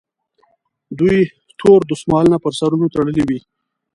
دوی تور دستمالونه پر سرونو تړلي وي.